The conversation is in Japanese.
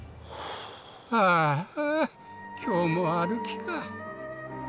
ああ今日も歩きか。